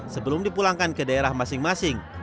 sebelum dipulangkan ke daerah masing masing